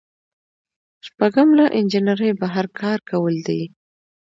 شپږم له انجنیری بهر کار کول دي.